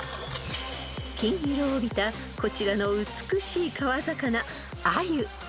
［金色を帯びたこちらの美しい川魚あゆ］